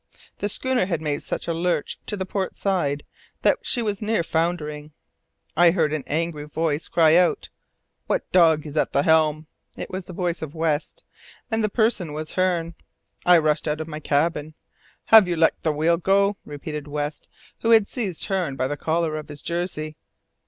The schooner had made such a lurch to the port side that she was near foundering. I heard an angry voice cry out: "What dog is that at the helm?" It was the voice of West, and the person he addressed was Hearne. I rushed out of my cabin. "Have you let the wheel go?" repeated West, who had seized Hearne by the collar of his jersey.